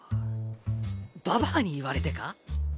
ババアに言われてか？